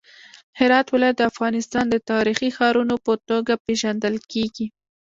هرات ولایت د افغانستان د تاریخي ښارونو په توګه پیژندل کیږي.